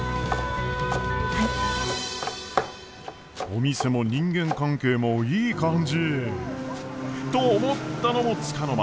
お店も人間関係もいい感じ！と思ったのもつかの間。